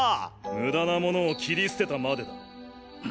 無駄なモノを切り捨てたまでだ。